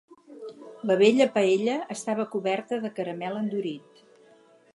La vella paella estava coberta de caramel endurit.